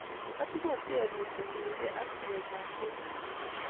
Atinye tebut kotinyke ak siretap tyebutik